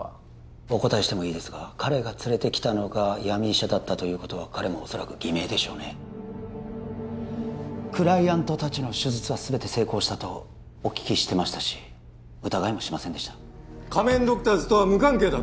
お答えしてもいいですが彼が連れてきたのが闇医者だったということは彼もおそらく偽名でしょうねクライアントたちの手術はすべて成功したとお聞きしてましたし疑いもしませんでした仮面ドクターズとは無関係だと？